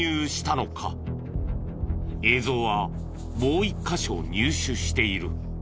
映像はもう１カ所入手している。